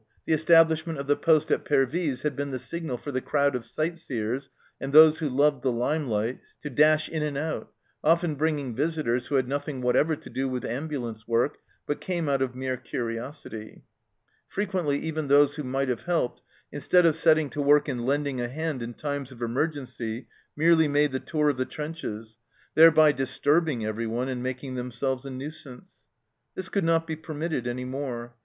The establish ment of the poste at Pervyse had been the signal for the crowd of sight seers and those who loved the limelight to dash in and out, often bringing visitors who had nothing whatever to do with ambulance work, but came out of mere curiosity. Frequently even those who might have helped, in stead of setting to work and lending a hand in times of emergency, merely made the tour of the trenches, thereby disturbing everyone and making themselves a nuisance. This could not be permitted any more.